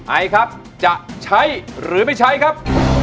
ไอครับจะใช้หรือไม่ใช้ครับ